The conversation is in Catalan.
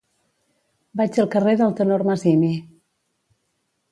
Vaig al carrer del Tenor Masini.